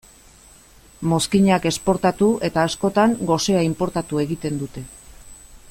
Mozkinak esportatu eta askotan gosea inportatu egiten dute.